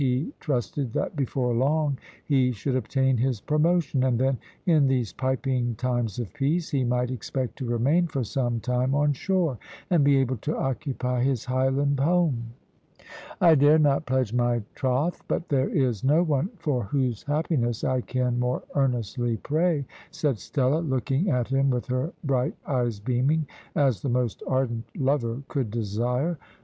He trusted that before long he should obtain his promotion, and then, in these piping times of peace, he might expect to remain for some time on shore, and be able to occupy his Highland home. "I dare not pledge my troth, but there is no one for whose happiness I can more earnestly pray," said Stella, looking at him with her bright eyes beaming as the most ardent lover could desire.